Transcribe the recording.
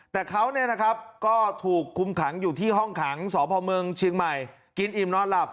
แต่เขาก็ถูกคุมขังอยู่ที่ห้องขังสพเมืองเชียงใหม่กินอิ่มนอนหลับ